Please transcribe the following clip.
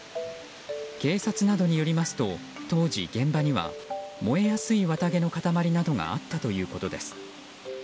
警察などによりますと当時、現場には燃えやすい綿毛の塊などがあったということです。